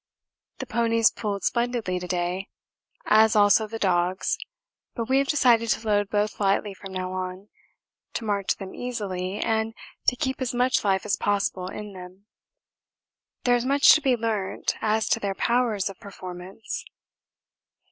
The ponies pulled splendidly to day, as also the dogs, but we have decided to load both lightly from now on, to march them easily, and to keep as much life as possible in them. There is much to be learnt as to their powers of performance.